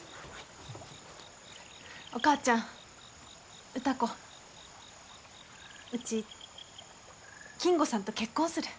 お母ちゃん歌子うち金吾さんと結婚する。